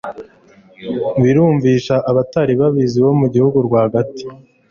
birumvisha abatari babizi bo mu gihugu rwa gatati